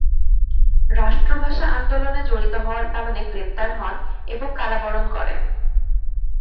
রাষ্ট্রভাষা আন্দোলনে জড়িত হওয়ার কারণে গ্রেপ্তার হন এবং কারাবরণ করেন।